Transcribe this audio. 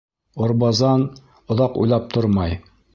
Орбазан оҙаҡ уйлап тормай.